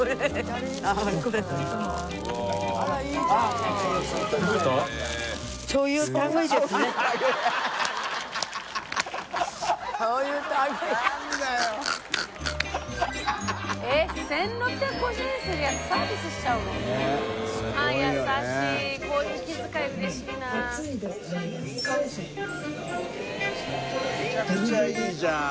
めちゃくちゃいいじゃん。